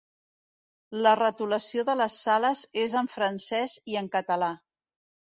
La retolació de les sales és en francès i en català.